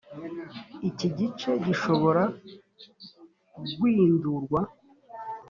iki gice gishobora guindurwa